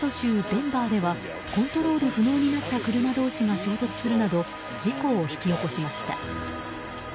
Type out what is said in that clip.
デンバーではコントロール不能になった車同士が衝突するなど事故を引き起こしました。